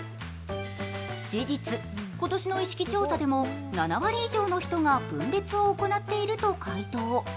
事実、今年の意識調査でも７割以上の人が分別を行っていると回答。